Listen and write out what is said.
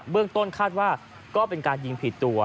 เรื่องต้นคาดว่าก็เป็นการยิงผิดตัว